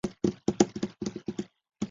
他心疼小孙女